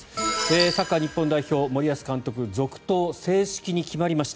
サッカー日本代表森保監督、続投が正式に決まりました。